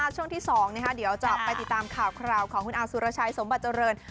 ช่วงที่๒เดี๋ยวจะไปติดตามข่าวคราวของคุณอาสุรชัยสมบัติเจริญ